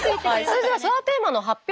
それではツアーテーマの発表